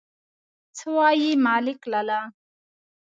_څه وايي ملک لالا!